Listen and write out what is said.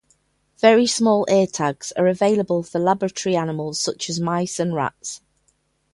Very small ear tags are available for laboratory animals such as mice and rats.